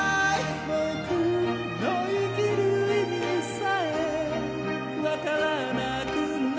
「僕の生きる意味さえ分からなくなって、、」